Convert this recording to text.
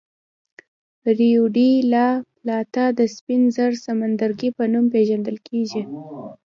ریو ډي لا پلاتا د سپین زر سمندرګي په نوم پېژندل کېږي.